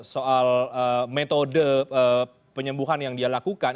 soal metode penyembuhan yang dia lakukan